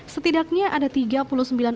setidaknya ada tiga puluh sembilan orang